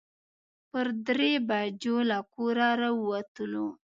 پر درې بجې له کوره راووتلو.